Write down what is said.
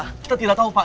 kita tidak tahu pak